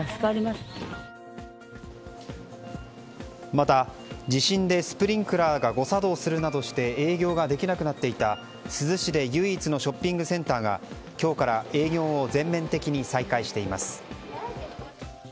また地震でスプリンクラーが誤動作するなどして営業ができなくなっていた珠洲市で唯一のショッピングセンターが今日から営業を全面的に再開しています。